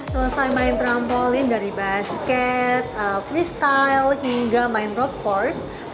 selesai main trampolin dari basket freestyle hingga main rope